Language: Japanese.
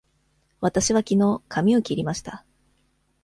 わたしはきのう髪を切りました。